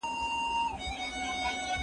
انار وینه ډیروي.